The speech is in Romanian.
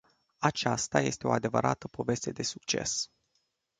Aceasta este o adevărată poveste de succes.